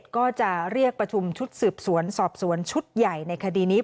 ก็จะเรียกประชุมชุดสืบสวนสอบสวนชุดใหญ่ในคดีนี้